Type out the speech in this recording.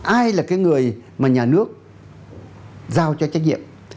ai là cái người mà nhà nước giao cho trách nhiệm